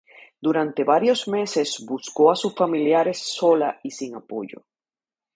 Durante varios meses buscó a sus familiares sola y sin apoyo.